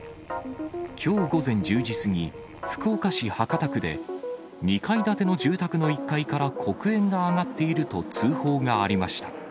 きょう午前１０時過ぎ、福岡市博多区で、２階建ての住宅の１階から黒煙が上がっていると通報がありました。